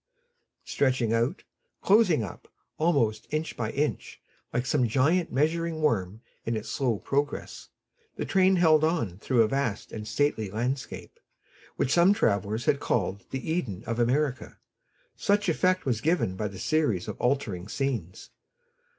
Stretching out, closing up, almost inch by inch, like some giant measuring worm in its slow progress, the train held on through a vast and stately landscape, which some travelers had called the Eden of America, such effect was given by the series of altering scenes.